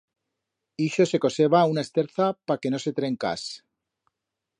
Ixo se coseba una esterza pa que no se trencás.